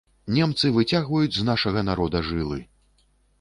Немцы выцягваюць з нашага народа жылы.